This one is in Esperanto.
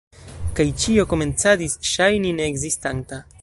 Kaj ĉio komencadis ŝajni neekzistanta.